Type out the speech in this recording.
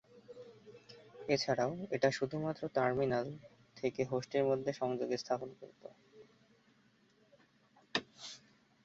এছাড়াও এটা শুধুমাত্র টার্মিনাল থেকে হোস্টের মধ্যে সংযোগ স্থাপন করত।